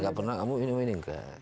ya gak pernah kamu minum minum enggak